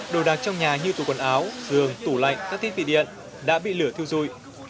đồ đạc trong nhà như tủ quần áo giường tủ lạnh các thiết bị điện đã bị lửa thiêu dụi